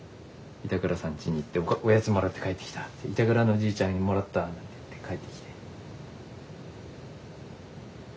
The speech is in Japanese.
板倉さんちに行っておやつもらって帰ってきたって「板倉のおじいちゃんにもらった」なんて言って帰ってきて。